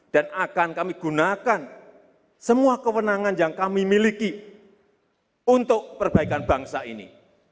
dan akan kami gunakan semua kewenangan yang kami miliki untuk perbaikan bangsa ini